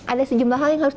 ada sejumlah hal yang harus